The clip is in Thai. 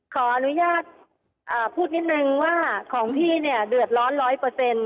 ขออนุญาตพูดนิดนึงว่าของพี่เนี่ยเดือดร้อนร้อยเปอร์เซ็นต์